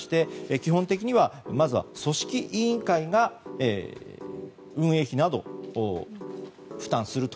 基本的にはまずは組織委員会が運営費などを負担すると。